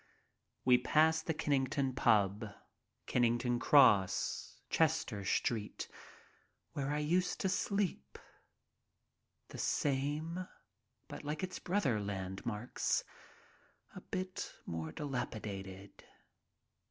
We pass the Kennington "pub," Kennington Cross, 56 MY TRIP ABROAD Chester Street, where I used to sleep. The same, but, Hke its brother landmarks, a bit more dilapidated.